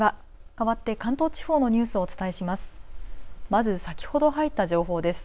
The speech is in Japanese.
かわって関東地方のニュースをお伝えします。